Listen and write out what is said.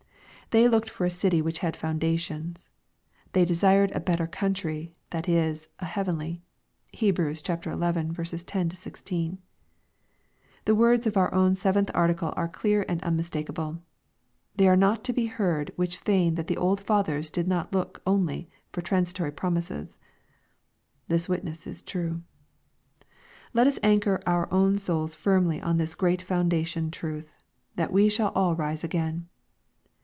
" They looked for a city which had foundations." " They desired a better country, that h, an heavenly." (Heb. xi. 10 16.) The words of our own seventh Article are clear and unmistakeable :" They are not to be heard which feign that the old fathers did look only for transi tory promises." This witness is true. Let us anchor our own souls firmly on this great foundation truth, " that we shall all rise again.